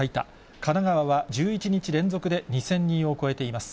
神奈川は１１日連続で２０００人を超えています。